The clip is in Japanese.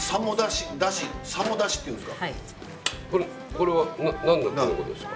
これは何のことですか？